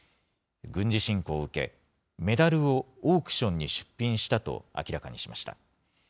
軍事侵攻を受け、メダルをオークションに出品したと明らかにしました。